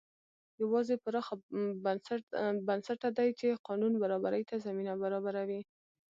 یوازې پراخ بنسټه دي چې قانون برابرۍ ته زمینه برابروي.